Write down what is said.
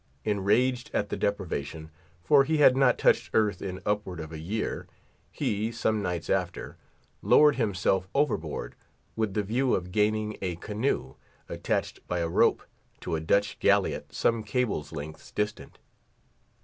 Enraged at the deprivation—for he had not touched earth in upward of a year—he, some nights after, lowered himself overboard, with the view of gaining a canoe, attached by a rope to a Dutch galiot some cables' lengths distant.